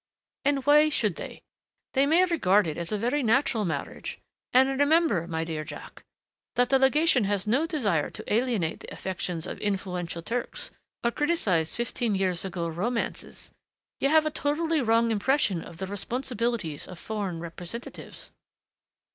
"And why should they? They may regard it as a very natural marriage. And remember, my dear Jack, that the legation has no desire to alienate the affections of influential Turks, or criticize fifteen years ago romances. You have a totally wrong impression of the responsibilities of foreign representatives."